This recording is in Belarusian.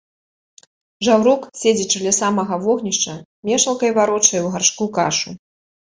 Жаўрук, седзячы ля самага вогнішча, мешалкай варочае ў гаршку кашу.